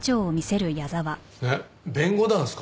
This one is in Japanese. えっ弁護団ですか？